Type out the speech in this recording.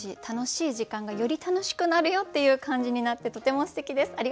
楽しい時間がより楽しくなるよっていう感じになってとてもすてきです。